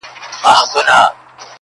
هڅه انسان بریالی ساتي.